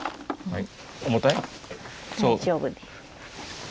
はい。